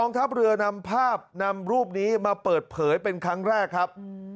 ทัพเรือนำภาพนำรูปนี้มาเปิดเผยเป็นครั้งแรกครับ